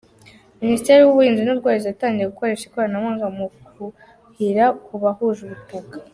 Minisiteri y’ubuhinzi n’ubworozi yatangiye gukoresha ikoranabuhanga mu kuhira ku bahuje ubutaka